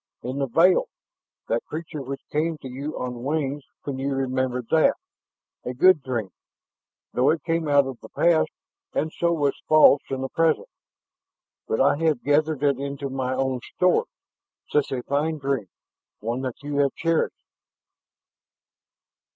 "In the veil ...that creature which came to you on wings when you remembered that. A good dream, though it came out of the past and so was false in the present. But I have gathered it into my own store: such a fine dream, one that you have cherished."